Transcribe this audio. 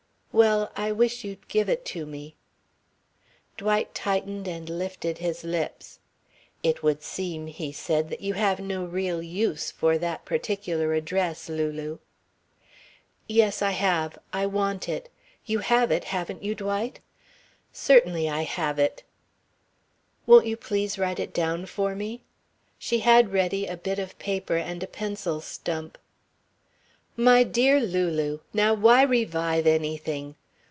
"Well, I wish you'd give it to me." Dwight tightened and lifted his lips. "It would seem," he said, "that you have no real use for that particular address, Lulu." "Yes, I have. I want it. You have it, haven't you, Dwight?" "Certainly I have it." "Won't you please write it down for me?" She had ready a bit of paper and a pencil stump. "My dear Lulu, now why revive anything?